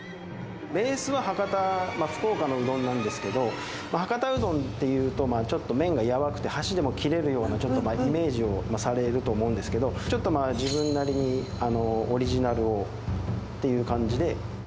ベースは博多、福岡のうどんなんですけど、博多うどんっていうと、ちょっと麺が柔くて、箸でも切れるような、ちょっとイメージをされると思うんですけど、ちょっと自分なりにオリジナルをっていう感じで。